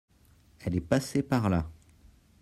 elles est passée par là.